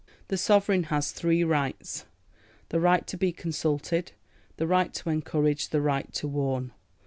The Sovereign has three rights: "The right to be consulted, the right to encourage, the right to warn."